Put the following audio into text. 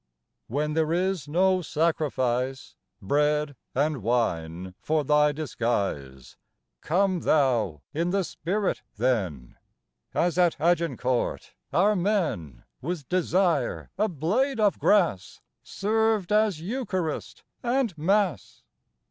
When there is no sacrifice, Bread and Wine for Thy disguise, Come Thou in the Spirit then ; As at Agincourt our men With desire a blade of grass Served as Eucharist and Mass.